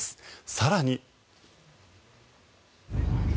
更に。